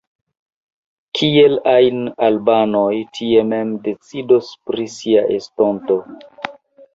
Kiel ajn, albanoj tie mem decidos pri sia estonto.